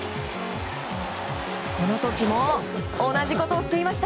この時も同じことをしていました。